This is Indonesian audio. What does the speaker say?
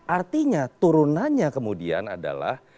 artinya turunannya kemudian adalah